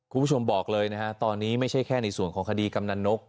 คุณผู้ชมบอกเลยนะฮะตอนนี้ไม่ใช่แค่ในส่วนของคดีกำนันนก